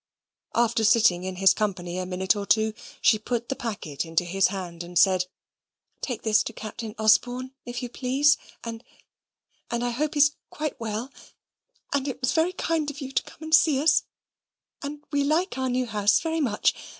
After sitting in his company a minute or two, she put the packet into his hand, and said, "Take this to Captain Osborne, if you please, and and I hope he's quite well and it was very kind of you to come and see us and we like our new house very much.